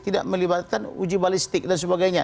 tidak melibatkan uji balistik dan sebagainya